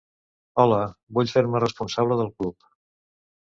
Hola, vull fer-me responsable del club.